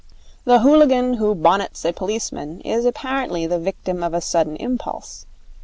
The hooligan who bonnets a policeman is apparently the victim of a sudden impulse.